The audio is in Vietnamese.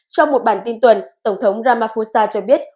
trong một bản tin tuần tổng thống ramaphusa cho biết